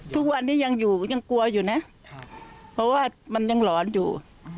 ทุกวันนี้ยังอยู่ยังกลัวอยู่นะเพราะว่ามันยังหลอนอยู่